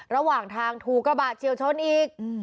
ระหว่างทางถูกกระบะเฉียวชนอีก